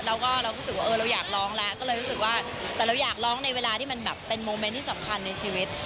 แล้วก็เรารู้สึกว่าเออเราอยากร้องแล้วก็เลยรู้สึกว่าแต่เราอยากร้องในเวลาที่มันแบบเป็นโมเมนต์ที่สำคัญในชีวิต